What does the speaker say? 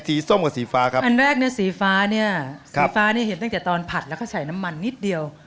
ส้มกับสีฟ้าครับอันแรกเนี่ยสีฟ้าเนี่ยสีฟ้าเนี่ยเห็นตั้งแต่ตอนผัดแล้วก็ใส่น้ำมันนิดเดียว